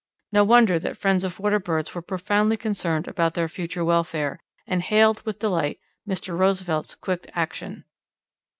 No wonder that friends of water birds were profoundly concerned about their future welfare, and hailed with delight Mr. Roosevelt's quick action.